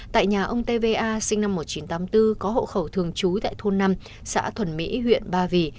tại nhà ông tv a sinh năm một nghìn chín trăm tám mươi bốn có hộ khẩu thường trú tại thôn năm xã thuần mỹ huyện ba vì